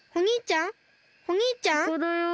ここだよ。